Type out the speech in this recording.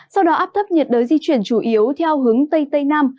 sau đó áp thấp nhiệt đới di chuyển chủ yếu theo hướng tây tây nam